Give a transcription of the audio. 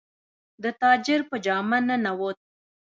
د تاجر په جامه ننووت.